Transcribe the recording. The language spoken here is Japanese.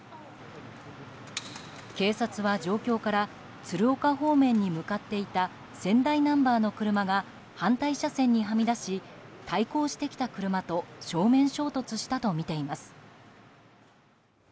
警察は状況から鶴岡方面に向かっていた仙台ナンバーの車が反対車線にはみ出し対向してきた車と正面衝突したとみています。